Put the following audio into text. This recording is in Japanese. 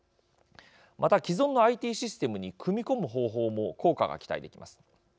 また既存のＩＴシステムに組み込む方法も効果が期待できます。